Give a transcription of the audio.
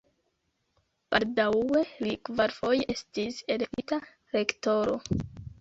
Baldaŭe li kvarfoje estis elektita rektoro.